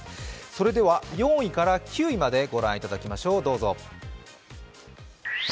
それでは４位から９位まで御覧いただきましょう。